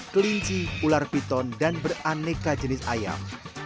kelinci ular piton dan beraneka jenis ayam